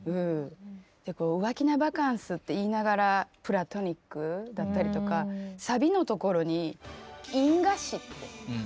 浮気なバカンスって言いながらプラトニックだったりとかサビのところに「印画紙」って。